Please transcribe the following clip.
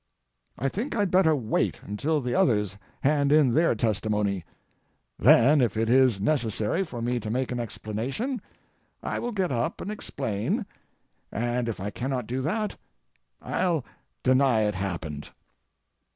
I think I'd better wait until the others hand in their testimony; then if it is necessary for me to make an explanation, I will get up and explain, and if I cannot do that, I'll deny it happened.